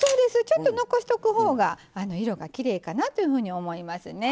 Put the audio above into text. ちょっと残しとくほうが色がきれいかなというふうに思いますね。